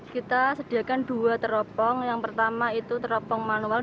kita sediakan dua teropong yang pertama itu teropong manual